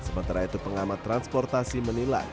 sementara itu pengamat transportasi menilai